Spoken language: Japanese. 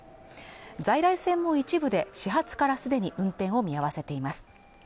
在来線も一部で始発からすでに運転を見合わせています